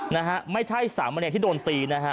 นะฮะไม่ใช่สามเณรที่โดนตีนะฮะ